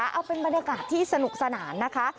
เอาเป็นบรรยากาศที่สนุกสนานนะคะ